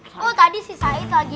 oh tadi si sait lagi